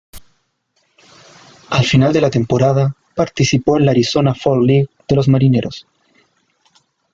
Al final de la temporada, participó en la Arizona Fall League de los Marineros.